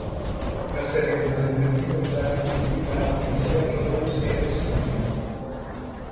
Unha serie de malentendidos levan a sospeitar á policía que Loris é ese maníaco.